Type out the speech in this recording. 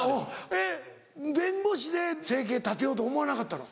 えっ弁護士で生計立てようと思わなかったの？